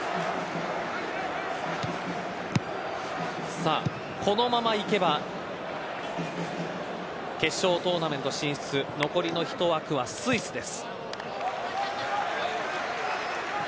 さあ、このままいけば決勝トーナメント進出残りの一枠はスイスです。